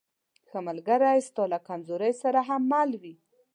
ښه ملګری ستا له کمزورۍ سره هم مل وي.